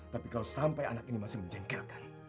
tapi kalau sampai anak ini masih menjengkelkan